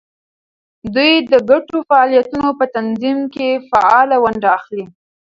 دوی د ګډو فعالیتونو په تنظیم کې فعاله ونډه اخلي.